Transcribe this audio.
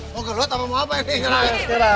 mau keluar tau kamu mau apa ini